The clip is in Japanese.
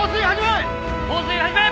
放水始め！